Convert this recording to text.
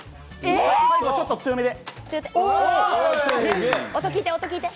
ちょっと強めで。